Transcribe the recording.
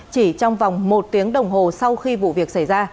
chỉ trong vòng một tiếng đồng hồ sau khi vụ việc xảy ra